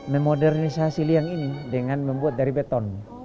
memodernisasi liang ini dengan membuat dari beton